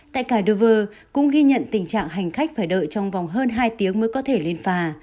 tại kadover cũng ghi nhận tình trạng hành khách phải đợi trong vòng hơn hai tiếng mới có thể lên phà